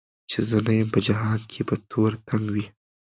چي زه نه یم په جهان کي به تور تم وي